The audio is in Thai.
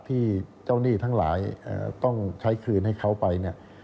ที่เจ้าหนี้ทั้งหลายต้องใช้คืนให้เขาไปเนี่ย